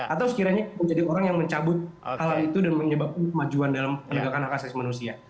atau sekiranya menjadi orang yang mencabut hal itu dan menyebabkan kemajuan dalam penegakan hak asasi manusia